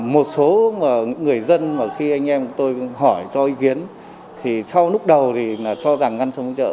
một số người dân mà khi anh em tôi hỏi cho ý kiến thì sau lúc đầu thì cho rằng ngăn sông chợ